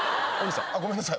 ごめんなさい。